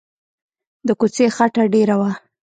د کوڅې خټه ډېره وه.